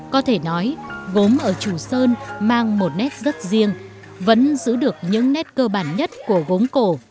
có thể nói gốm ở chùa sơn mang một nét rất riêng vẫn giữ được những nét cơ bản nhất của gốm cổ